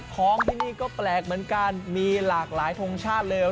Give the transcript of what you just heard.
ของที่นี่ก็แปลกเหมือนกันมีหลากหลายทงชาติเลย